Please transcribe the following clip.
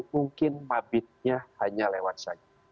mungkin mabihnya hanya lewat saja